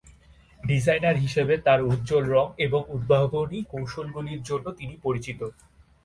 Designer হিসাবে তার উজ্জ্বল রঙ এবং উদ্ভাবনী কৌশলগুলির জন্য তিনি পরিচিত।